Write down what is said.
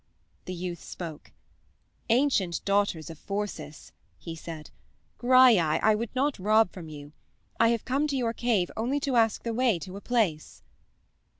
The youth spoke. "Ancient daughters of Phorcys," he said, "Graiai, I would not rob from you. I have come to your cave only to ask the way to a place."